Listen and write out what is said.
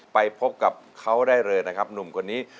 ไปพบกับเขาได้เลยนะครับหนุ่มคนนี้